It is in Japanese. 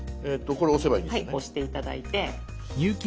押して頂いて。